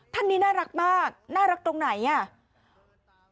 ท่านนี้น่ารักมากน่ารักตรงไหนอ่ะ